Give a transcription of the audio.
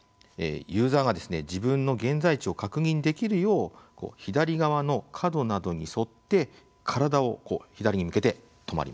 ユーザーが自分の現在地を確認できるよう左側の角などに沿って体を左に向けて止まります。